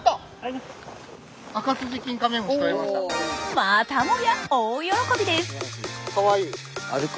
またもや大喜びです！